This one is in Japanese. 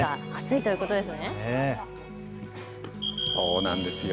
暑いということですね。